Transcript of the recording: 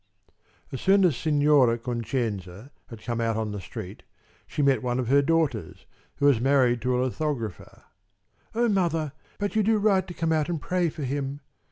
As soon as Signora Concenza had come out on the street, she met one of her daughters, who was married to a lithographer. "Oh, mother, but you do right to come out and pray for him!"